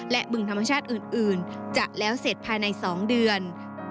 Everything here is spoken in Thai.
และบึงธรรมชาติอื่นจะแล้วเสร็จภายใน๒เดือน